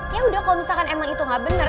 ya udah kalo misalkan emang itu gak bener